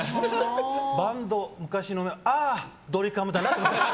バンド、昔のメンバーああ、ドリカムだなって。